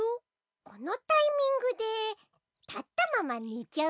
このタイミングでたったままねちゃう？